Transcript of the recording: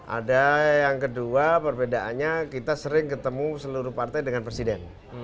ada yang kedua perbedaannya kita sering ketemu seluruh partai dengan presiden